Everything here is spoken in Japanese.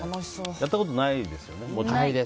やったことないですよね？